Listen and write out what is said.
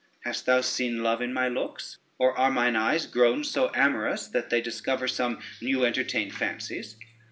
Hast thou seen love in my looks, or are mine eyes grown so amorous, that they discover some new entertained fancies?